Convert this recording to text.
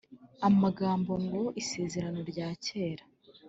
Amagambo ngo Isezerano rya kera